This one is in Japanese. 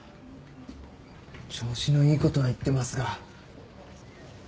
調子のいいことは言ってますが。